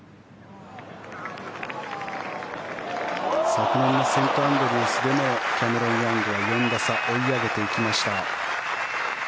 昨年のセントアンドリュースでもキャメロン・ヤングは４打差、追い上げていきました。